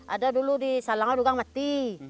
ada dulu di salangga orang itu mati